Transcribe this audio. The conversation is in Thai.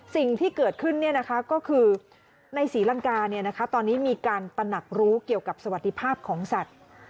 สิ่งที่เกิดขึ้นก็คือในศรีลังกาตอนนี้มีการตนักรู้เกี่ยวกับสวัสดิภาพของสัตว์